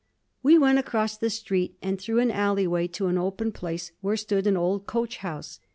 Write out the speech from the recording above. We went across the street and through an alleyway to an open place where stood an old coach house.